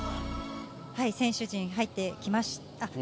選手陣が入ってきました。